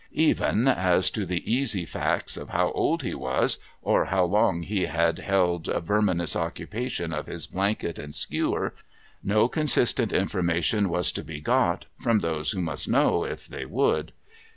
Even, as to the easy facts of how old he was, or how long he had held verminous occupation of his blanket and skewer, no consistent information was to be got, from those who must know if they would.